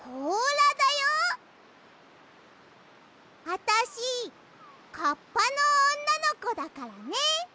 あたしカッパのおんなのこだからね。